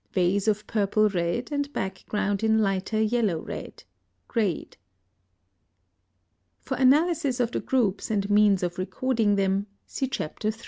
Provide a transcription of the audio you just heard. Vase of purple red, and background in lighter yellow red, grayed. For analysis of the groups and means of recording them, see Chapter III.